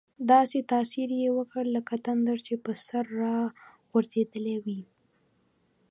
داسې تاثیر یې وکړ لکه تندر چې په سر را غورځېدلی وي.